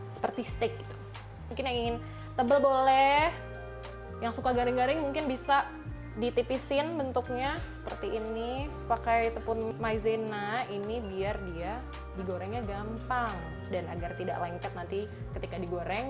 seperti steak mungkin yang ingin tebel boleh yang suka garing garing mungkin bisa ditipisin bentuknya seperti ini pakai tepung maizena ini biar dia digorengnya gampang dan agar tidak lengket nanti ketika digoreng